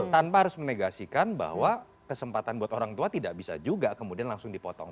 tanpa harus menegasikan bahwa kesempatan buat orang tua tidak bisa juga kemudian langsung dipotong